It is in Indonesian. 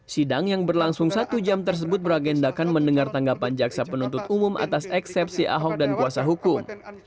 sidang yang berlangsung satu jam tersebut beragendakan mendengar tanggapan jaksa penuntut umum atas eksepsi ahok dan kuasa hukum